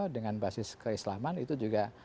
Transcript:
dengan basis keislaman itu juga